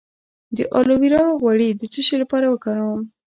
د الوویرا غوړي د څه لپاره وکاروم؟